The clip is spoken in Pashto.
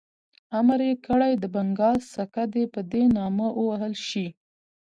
امر یې کړی د بنګال سکه دي په ده نامه ووهل شي.